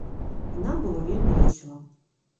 І нам было вельмі весела.